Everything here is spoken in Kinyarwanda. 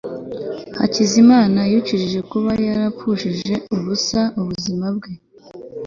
hakizimana yicujije kuba yarapfushije ubusa ubuzima bwe